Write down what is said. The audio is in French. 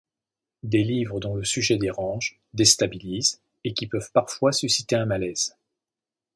Des livres dont le sujet dérange, déstabilise et qui peuvent parfois susciter un malaise.